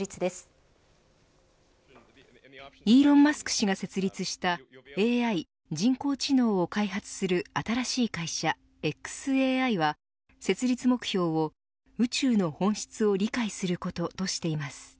氏が設立したＡＩ人工知能を開発する新しい会社、ｘＡＩは設立目標を宇宙の本質を理解することとしています。